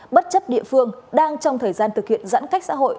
bất chấp địa phương đang trong thời gian thực hiện giãn cách xã hội